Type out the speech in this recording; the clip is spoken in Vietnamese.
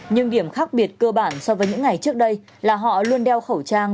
nhưng điểm khác biệt cơ bản so với những ngày trước đây là họ luôn đeo khẩu trang